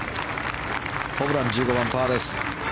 ホブラン１５番、パーです。